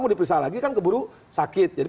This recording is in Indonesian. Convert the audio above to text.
mau diperiksa lagi kan keburu sakit jadi